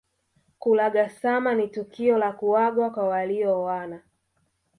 Kulagasama ni tukio la kuagwa kwa waliooana